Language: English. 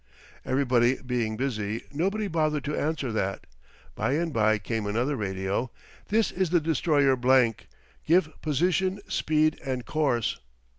Everybody being busy, nobody bothered to answer that. By and by came another radio: THIS IS THE DESTROYER BLANK GIVE POSITION, SPEED, AND COURSE.